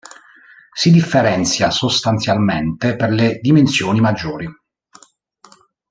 Si differenzia sostanzialmente per le dimensioni maggiori.